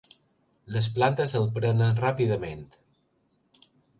Les plantes el prenen ràpidament.